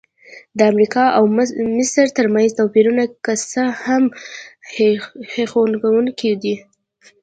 د امریکا او مصر ترمنځ توپیرونه که څه هم هیښوونکي دي.